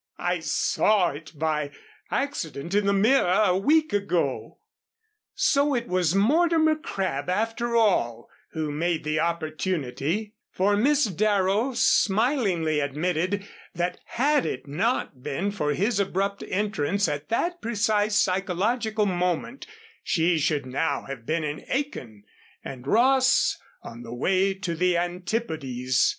I saw it by accident in the mirror a week ago." So it was Mortimer Crabb after all who made the opportunity; for Miss Darrow smilingly admitted that had it not been for his abrupt entrance at that precise psychological moment, she should now have been in Aiken and Ross on the way to the Antipodes.